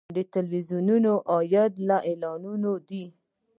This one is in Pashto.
د تلویزیونونو عاید له اعلاناتو دی